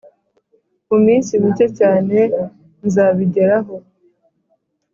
mu minsi mike cyane zabbijyeraho